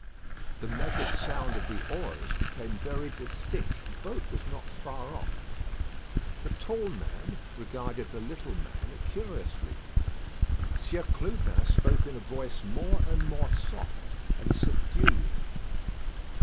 The measured sound of the oars became very distinct. The boat was not far off. The tall man regarded the little man curiously. Sieur Clubin spoke in a voice more and more soft and subdued.